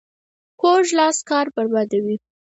کوږ لاس کار بربادوي